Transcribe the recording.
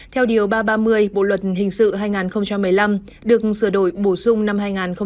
theo điều ba trăm ba mươi bộ luật hình sự hai nghìn một mươi năm được sửa đổi bổ sung năm hai nghìn một mươi bảy